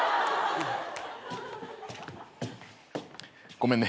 ごめんね。